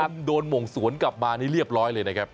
มันโดนหม่งสวนกลับมานี่เรียบร้อยเลยนะครับ